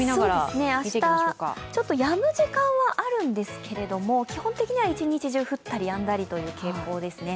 明日、ちょっとやむ時間はあるんですけれども、基本的には一日中、降ったりやんだりという傾向ですね。